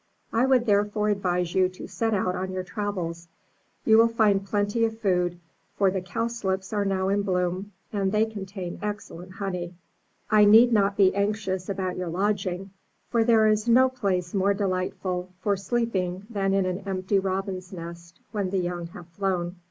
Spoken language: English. I would therefore advise you to set out on your travels; you will find plenty of food, for the cowslips are now in bloom, and they contain excellent honey. I need not be anxious about your lodging, for there is no place more delightful for sleeping in than an empty robin's nest when the young have flown.